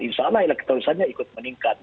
insya allah elektaurusannya ikut meningkat